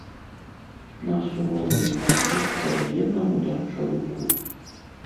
На суровай мяжы падае нам удача руку.